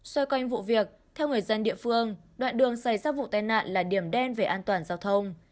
xoay quanh vụ việc theo người dân địa phương đoạn đường xảy ra vụ tai nạn là điểm đen về an toàn giao thông